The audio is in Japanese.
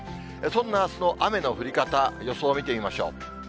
そんなあすの雨の降り方、予想を見てみましょう。